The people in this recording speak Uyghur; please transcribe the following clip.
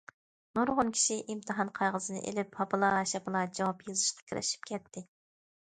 نۇرغۇن كىشى ئىمتىھان قەغىزىنى ئېلىپ ھاپىلا- شاپىلا جاۋاب يېزىشقا كىرىشىپ كەتتى.